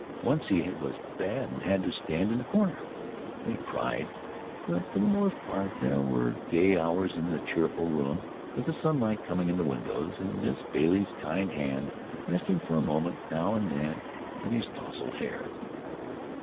Once he was bad and had to stand in the corner then he cried but for the most part there were gay hours in the cheerful room, with the sunlight coming in the windows and Miss Bailey's kind hand resting for a moment now and then in his tousled hair.